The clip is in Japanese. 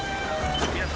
皆様